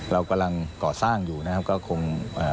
เรากำลังก่อสร้างอยู่นะครับก็คงอ่า